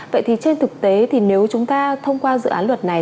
vậy thì trên thực tế thì nếu chúng ta thông qua dự án luật này